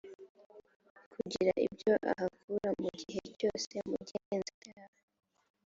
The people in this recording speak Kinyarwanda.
kugira ibyo ahakura mu gihe cyose umugenzacyaha